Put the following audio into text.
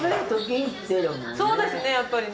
そうですねやっぱりね。